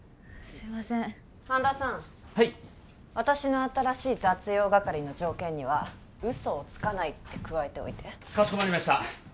すいません半田さんはい私の新しい雑用係の条件には「嘘をつかない」って加えておいてかしこまりました